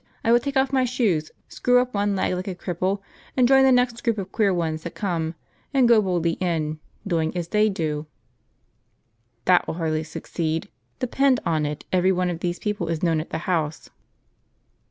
I will take off my shoes, screw up one leg like a cripple, and join the next group of queer ones that come, and go boldly in, doing as they do." " That will hardly succeed ; depend upon it every one of these people is known at the house."